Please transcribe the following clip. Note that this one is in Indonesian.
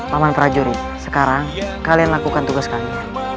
paman prajurit sekarang kalian lakukan tugas kami